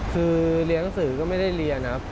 คือเรียนหนังสือก็ไม่ได้เรียนครับ